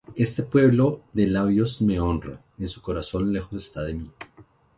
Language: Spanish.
Este pueblo de labios me honra; Mas su corazón lejos está de mí.